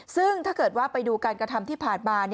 ซึ่งถ้าเกิดว่าไปดูการกระทำที่ผ่านมา